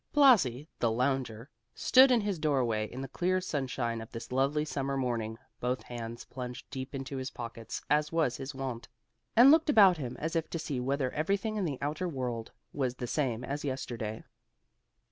Blasi, the lounger, stood in his doorway in the clear sunshine of this lovely summer morning, both hands plunged deep into his pockets as was his wont, and looked about him as if to see whether everything in the outer world was the same as yesterday.